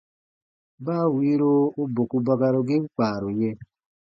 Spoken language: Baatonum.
Baa wiiro u boku bakarugiin kpaaru yɛ̃.